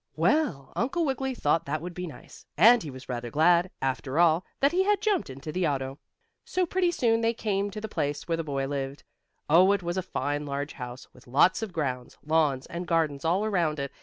Well, Uncle Wiggily thought that would be nice, and he was rather glad, after all, that he had jumped into the auto. So pretty soon they came to the place where the boy lived. Oh, it was a fine, large house, with lots of grounds, lawns and gardens all around it.